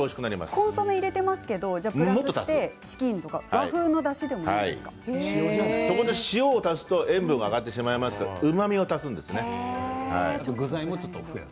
コンソメを入れてますけどプラスしてチキンとか塩を足すと塩分が上がってしまうのでうまみを足すんですね。